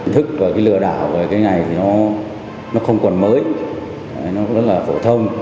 thức và lừa đảo ngày này nó không còn mới nó rất là phổ thông